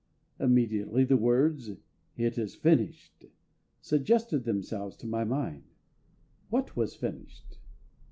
Immediately the words "It is finished" suggested themselves to my mind. What was finished?